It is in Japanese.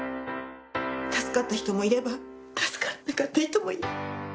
助かった人もいれば助からなかった人もいる。